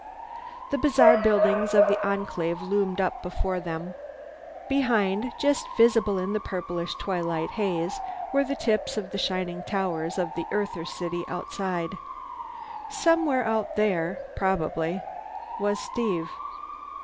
_ The bizarre buildings of the Enclave loomed up before him. Behind them, just visible in the purplish twilight haze, were the tips of the shining towers of the Earther city outside. Somewhere out there, probably, was Steve.